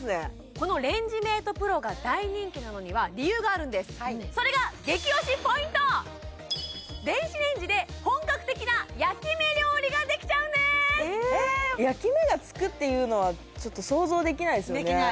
このレンジメートプロが大人気なのには理由があるんですそれが電子レンジで本格的な焼き目料理ができちゃうんです焼き目がつくっていうのはちょっと想像できないですよね